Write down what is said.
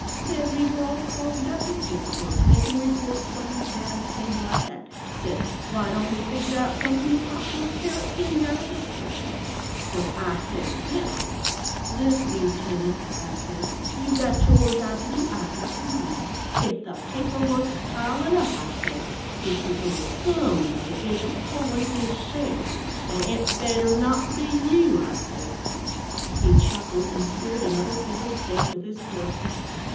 "Said we were all clogged up with paper work, makin' reports on tests, things like that. Said, why don't we figure out something to pop those Carrot skins outa the sky. So I said to him, 'Look, Lootenant,' I said, 'you got your job to do, I got mine. If the paper work's pilin' up,' I said, 'it's because somebody isn't pulling his share. And it better not be you,' I said." He chuckled and speared another cube of steak with his fork.